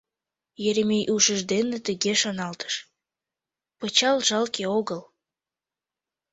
Еремей ушыж дене тыге шоналтыш: «Пычал жалке огыл.